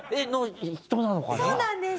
そうなんです。